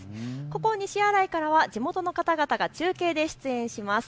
ここに西新井からは地元の方々が中継で出演します。